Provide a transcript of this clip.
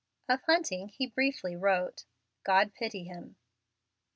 Of Hunting he briefly wrote, "God pity him."